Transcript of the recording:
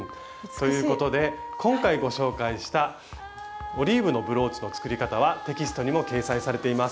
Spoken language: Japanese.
ということで今回ご紹介した「オリーブのブローチ」の作り方はテキストにも掲載されています。